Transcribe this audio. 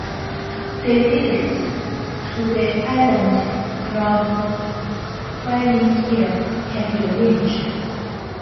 Day visits to the island from Valentia can be arranged.